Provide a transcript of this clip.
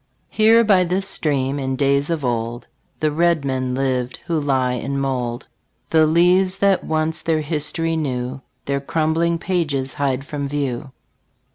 Here by this stream, in days of old The red men lived, who lie in mould; The leaves that once their history knew Their crumbling pages hide from view.